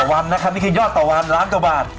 วันนะครับนี่คือยอดต่อวันล้านกว่าบาท